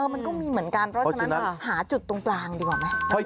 มันก็มีเหมือนกันเพราะฉะนั้นหาจุดตรงกลางดีกว่าไหม